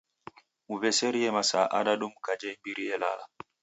Muw'eserie masaa adadu mkaja imbiri elala.